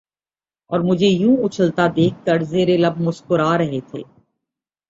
اور مجھے یوں اچھلتا دیکھ کر زیرلب مسکرا رہے تھے